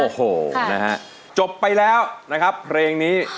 โอ้โหนะฮะจบไปแล้วนะครับเพลงนี้